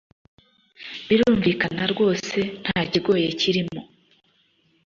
birumvikana ryose ntakigoye kirimo